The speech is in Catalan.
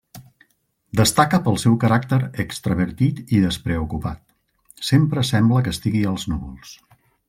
Destaca pel seu caràcter extravertit i despreocupat; sempre sembla que estigui als núvols.